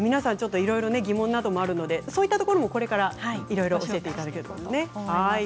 いろいろ疑問などもあるのでそういったこともこれから教えていただくんですね。